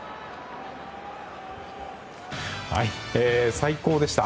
最高でした。